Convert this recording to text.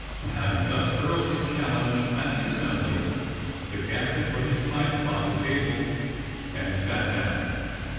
And having thus hurled his challenge at the as sembly the captain put his pipe upon the table and sat down.